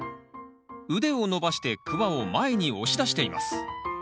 腕を伸ばしてクワを前に押し出しています。